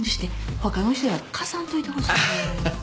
他の人には貸さんといてほしい。